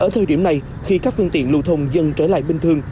ở thời điểm này khi các phương tiện lưu thông dần trở lại bình thường